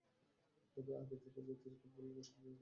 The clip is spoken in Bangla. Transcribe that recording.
তার আগে দেখে যেতে চাই দেশের ফুটবলটা একটা জায়গায় অন্তত গেছে।